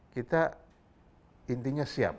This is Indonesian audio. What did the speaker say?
kita intinya siap